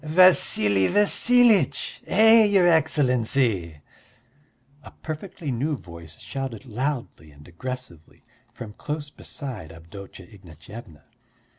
"Vassili Vassilitch! Hey, your Excellency!" a perfectly new voice shouted loudly and aggressively from close beside Avdotya Ignatyevna.